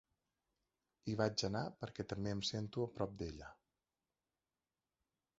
Hi vaig anar perquè també em sento a prop d’ella.